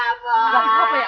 neng gapapa ya gani rumpah